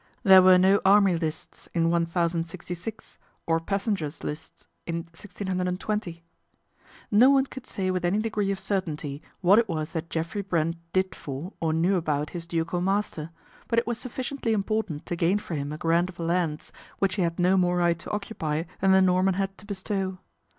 There rere no army lists in 1066, or passengers' lists in [620. No one could say with any degree of certainty /hat it was that Geoffrey Brent did for, or knew ibout, his ducal master ; but it was sufficiently iportant to gain for him a grant of lands, which ic had no more right to occupy than the Norman id to bestow.